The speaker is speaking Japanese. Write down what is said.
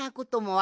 あ！